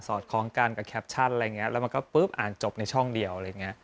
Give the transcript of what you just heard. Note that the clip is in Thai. สอดคล้องกันกับแคปชั่นอะไรอย่างนี้แล้วมันก็ปึ๊บอ่านจบในช่องเดียว